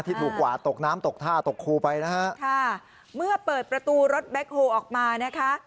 ถูกกว่าตกน้ำตกท่าตกคูไปนะฮะค่ะเมื่อเปิดประตูรถแบ็คโฮออกมานะคะ